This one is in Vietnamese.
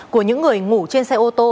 của những người ngủ trên xe ô tô